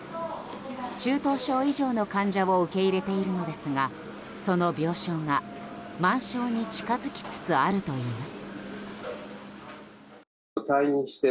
中等症以上の患者を受け入れているのですがその病床が満床に近づきつつあるといいます。